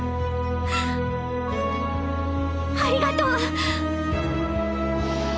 ありがとう。